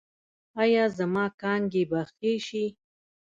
ایا زما کانګې به ښې شي؟